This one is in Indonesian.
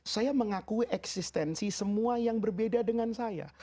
saya mengakui eksistensi semua yang berbeda dengan saya